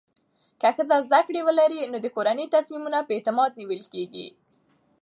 که ښځه زده کړه ولري، نو د کورنۍ تصمیمونه په اعتماد نیول کېږي.